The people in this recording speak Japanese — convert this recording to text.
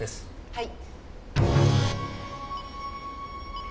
はい。